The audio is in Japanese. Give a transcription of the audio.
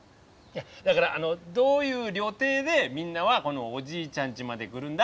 だからあのどういう旅程でみんなはこのおじいちゃんちまで来るんだ？